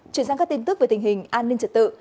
chuyển sang các tin tức về tình hình an ninh trật tự